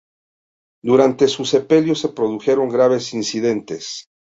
Durante su sepelio se produjeron graves incidentes.